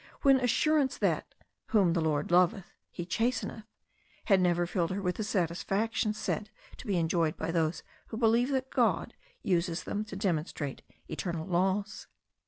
The assurance that "Whom the Lord loveth He chasteneth" had never filled her with the satisfaction said to be enjoyed by those who believe that God uses them to demonstrate eternal laws.